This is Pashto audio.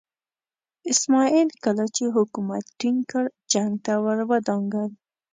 اسماعیل کله چې حکومت ټینګ کړ جنګ ته ور ودانګل.